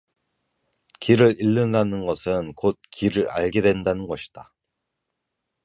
길을 잃는 다는 것은 곧 길을 알게 된다는 것이다.